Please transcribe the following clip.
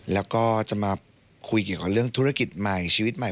แล้วก็จะมาคุยเกี่ยวกับเรื่องธุรกิจใหม่ชีวิตใหม่